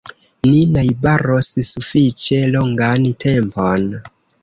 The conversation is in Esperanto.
Ni najbaros sufiĉe longan tempon.